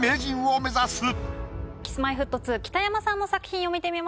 Ｋｉｓ−Ｍｙ−Ｆｔ２北山さんの作品を見てみましょう。